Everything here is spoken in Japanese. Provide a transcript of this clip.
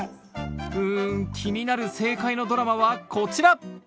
うん気になる正解のドラマはこちら！